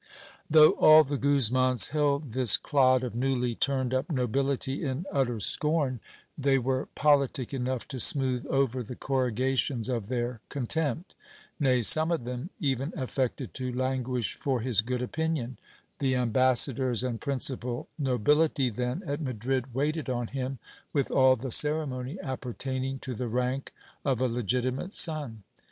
Though all the Guzmans held this clod of newly turned up nobility in utter scorn, they were politic enough to smooth over the corrugations of their con tempt ; nay, some of them even affected to languish for his good opinion : the ambassadors and principal nobility then at Madrid waited on him, with all the ceremony appertaining to the rank of a legitimate son.